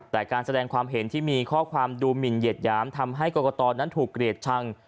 แต่การแสดงความเห็นที่มีข้อความดูหมินเหยียดหยามทำให้กรกตนั้นถูกเกลียดชัง